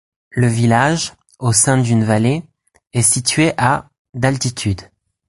Le village, au sein d'une vallée, est situé à d'altitude.